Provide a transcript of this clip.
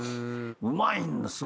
うまいんだよ。